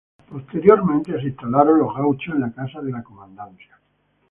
Posteriormente se instalaron los gauchos en la casa de la comandancia.